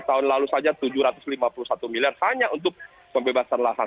tahun lalu saja tujuh ratus lima puluh satu miliar hanya untuk pembebasan lahan